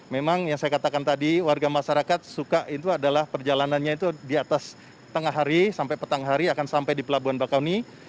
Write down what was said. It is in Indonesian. memang yang saya katakan tadi warga masyarakat suka itu adalah perjalanannya itu di atas tengah hari sampai petang hari akan sampai di pelabuhan bakauni